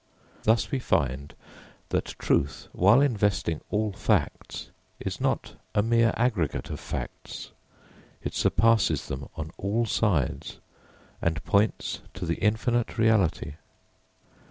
Thus we find that truth, while investing all facts, is not a mere aggregate of facts it surpasses them on all sides and points to the infinite reality.